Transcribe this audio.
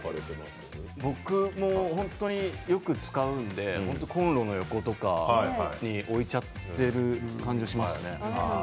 僕はよく使うのでコンロの横とかに置いちゃっている感じがしますね。